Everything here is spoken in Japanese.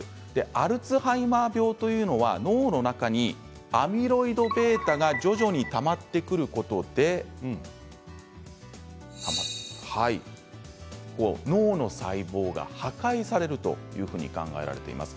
アルツハイマー病というのは脳の中にアミロイドβが徐々にたまってくることで脳の細胞が破壊されると考えられています。